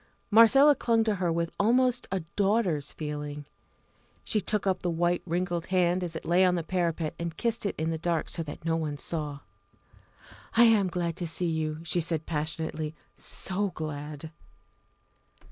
Marcella clung to her with almost a daughter's feeling. She took up the white wrinkled hand as it lay on the parapet, and kissed it in the dark so that no one saw. "I am glad to see you again," she said passionately, "so glad!"